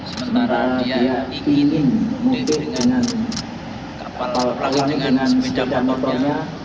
sementara dia ingin memudik dengan kapal pelanggan dengan sejahat motornya